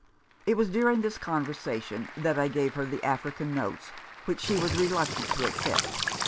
It was during this conver sation that I gave her the African notes, which she was reluctant to accept.